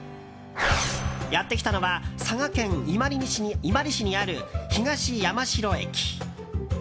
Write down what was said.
やってきたのは佐賀県伊万里市にある東山代駅。